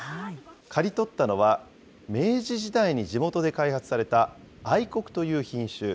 刈り取ったのは、明治時代に地元で開発された愛国という品種。